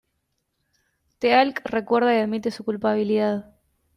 Teal'c recuerda y admite su culpabilidad.